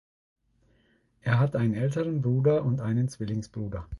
Er hat einen älteren Bruder und einen Zwillingsbruder.